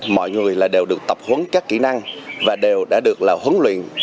mọi người đều được tập huấn các kỹ năng và đều đã được hướng luyện